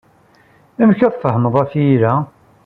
Amek ay tfehmeḍ afyir-a?